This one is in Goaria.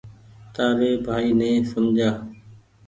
تآري ڀآئي ني سمجهآ